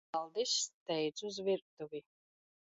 Valdis steidz uz virtuvi.